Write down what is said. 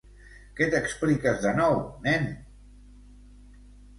Que t'expliques de nou, nen?